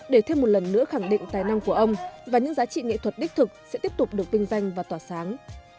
để thêm một lần nữa khẳng định tài năng của ông và những giá trị nghệ thuật đích thực sẽ tiếp tục được vinh danh và tỏa sáng